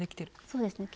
そうですね。